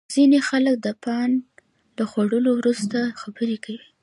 ځینې خلک د پان له خوړلو وروسته خبرې کوي.